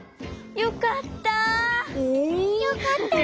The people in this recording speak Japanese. よかったね。